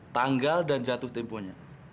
tanggal dan jatuh temponya